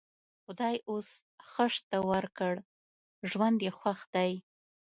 خدای اوس ښه شته ورکړ؛ ژوند یې خوښ دی.